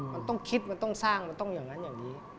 มันต้องคิดมันต้องสร้างมันต้องอย่างนั้นอย่างนี้